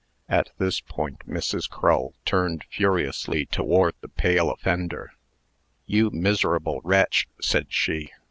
At this point, Mrs. Crull turned furiously toward the pale offender. "You miserable wretch!" said she.